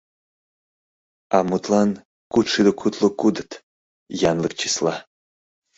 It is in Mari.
А, мутлан, кудшӱдӧ кудло кудыт — янлык числа.